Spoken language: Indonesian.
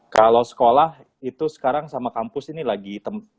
kalau sekolah itu sekarang sama kampus ini lagi